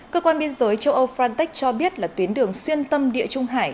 cơ quan biên giới châu âu frontex cho biết là tuyến đường xuyên tâm địa trung hải